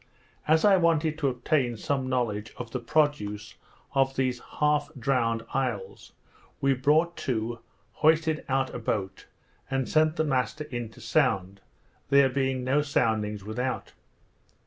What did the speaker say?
As I wanted to obtain some knowledge of the produce of these half drowned isles, we brought to, hoisted out a boat, and sent the master in to sound; there being no soundings without.